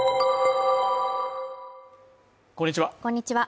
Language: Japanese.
こんにちは